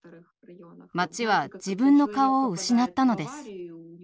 町は自分の顔を失ったのです。